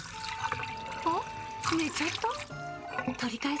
あっ、寝ちゃった？